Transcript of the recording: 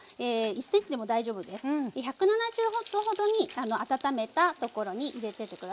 １７０℃ほどに温めたところに入れてってください。